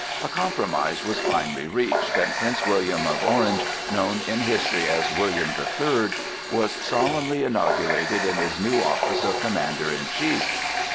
A compromise was finally reached, and Prince William of Orange, known in history as William the Third, was solemnly inaugurated in his new office of commander in chief.